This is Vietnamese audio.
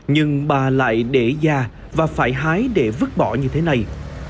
nhưng bà lại để già và phải hái để vứt bỏ như thế này